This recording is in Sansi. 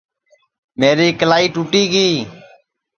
میری اِکلائی ٹُوٹی گی